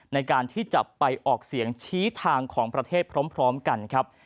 ในการที่จะไปออกเสียงชี้ทางของประเทศพร้อมกันครับ